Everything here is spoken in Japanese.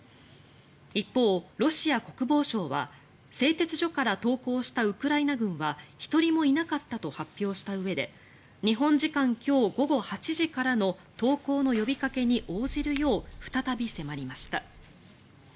一方、ロシア国防省は製鉄所から投降したウクライナ軍は１人もいなかったと発表したうえで日本時間今日午後８時からの投降の呼びかけに応じるよう再び迫りました。